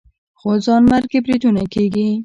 خو ځانمرګي بریدونه کېږي